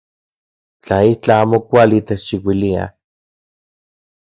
Tla itlaj amo kuali techchiuiliaj.